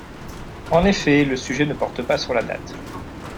En effet, le sujet ne porte pas sur la date.